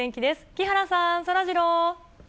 木原さん、そらジロー。